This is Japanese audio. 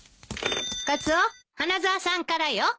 カツオ花沢さんからよ。